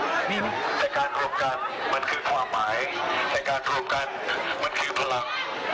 ในการรวมกันมันคือความหมายในการรวมกันมันคือพลัง